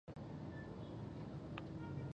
مثبتې نيوکې او سموونکی وړاندیز.